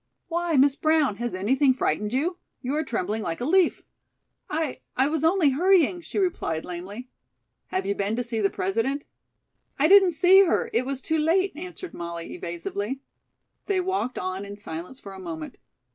"Why, Miss Brown, has anything frightened you? You are trembling like a leaf." "I I was only hurrying," she replied lamely. "Have you been to see the President?" "I didn't see her. It was too late," answered Molly evasively. They walked on in silence for a moment.